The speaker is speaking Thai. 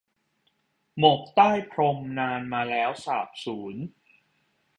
หมกใต้พรมนานมาแล้วสาบสูญ